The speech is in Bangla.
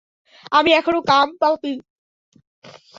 আমি এখনো কামপাপী।